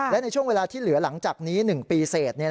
และในช่วงเวลาที่เหลือหลังจากนี้๑ปีเสร็จ